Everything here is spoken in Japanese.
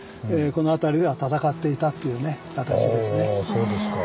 そうですか。